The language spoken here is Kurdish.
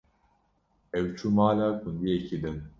ew çû mala gundiyekî din.